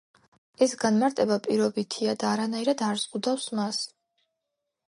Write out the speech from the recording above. ეს განმარტება პირობითია და არანაირად არ ზღუდავს მას.